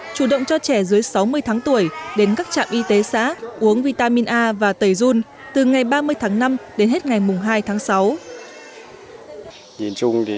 chủ động cho trẻ dưới sáu mươi tháng tuổi đến các trạm y tế xã uống vitamin a và tẩy dun từ ngày ba mươi tháng năm đến hết ngày hai tháng sáu